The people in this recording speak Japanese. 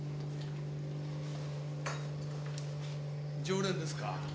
常連ですか？